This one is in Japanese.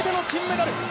金メダル！